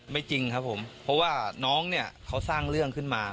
จริงครับผมเพราะว่าน้องเนี่ยเขาสร้างเรื่องขึ้นมา